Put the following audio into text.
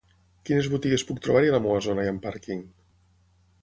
Quines botigues puc trobar-hi a la meva zona i amb pàrquing?